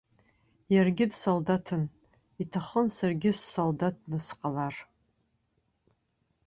Иаргьы дсолдаҭын, иҭахын саргьы ссолдаҭны сҟалар.